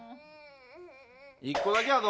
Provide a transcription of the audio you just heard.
１個だけやぞ。